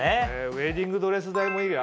ウエディングドレス代もいいな。